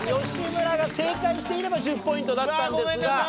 吉村が正解していれば１０ポイントだったんですが。